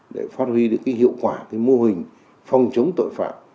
để phát huy được cái hiệu quả mô hình phòng chống tội phạm